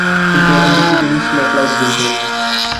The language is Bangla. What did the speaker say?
কিন্তু এখন দেখছি যে, মিস ম্যাকলাউড ভুল করেছেন।